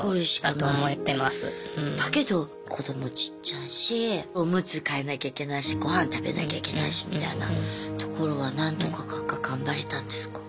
だけど子どもちっちゃいしおむつ替えなきゃいけないし御飯食べなきゃいけないしみたいなところは何とか頑張れたんですか？